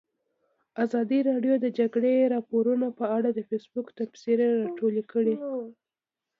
ازادي راډیو د د جګړې راپورونه په اړه د فیسبوک تبصرې راټولې کړي.